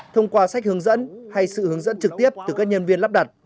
thông qua sách hướng dẫn hay sự hướng dẫn trực tiếp từ các nhân viên lắp đặt